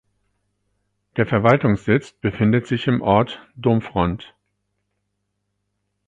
Der Verwaltungssitz befindet sich im Ort Domfront.